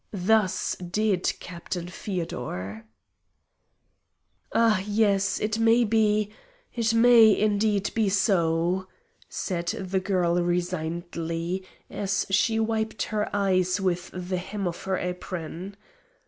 Thus did Captain Feodor. "Ah, yes! It may be it may, indeed, be so," said the girl resignedly, as she wiped her eyes with the hem of her apron.